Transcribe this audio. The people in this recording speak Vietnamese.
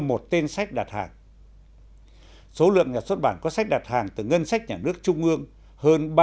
một tên sách đặt hàng số lượng nhà xuất bản có sách đặt hàng từ ngân sách nhà nước trung ương hơn